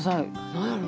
何やろ。